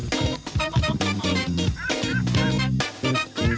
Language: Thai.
สวัสดีค่ะ